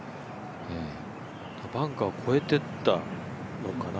バンカー越えていったのかな。